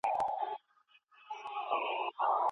د ماشوم رواني وده له فزیکي ودي سره موازي ده.